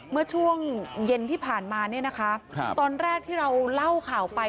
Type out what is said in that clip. เมื่อช่วงเย็นที่ผ่านมาเนี่ยนะคะตอนแรกที่เราเล่าข่าวไป